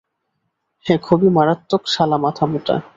হ্যা, খুবই মারাত্মক সালা মাথামোটা!